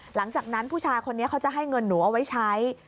หลังจากนั้นผู้ชายคนนี้เขาจะให้เงินหนูเอาไว้ใช้